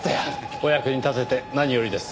お役に立てて何よりです。